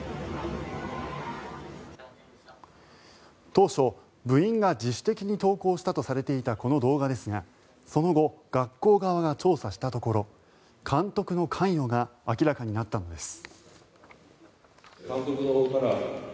当初、部員が自主的に投稿したとされていたこの動画ですがその後、学校側が調査したところ監督の関与が明らかになったのです。